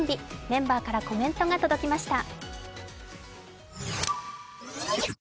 メンバーからコメントが届きました。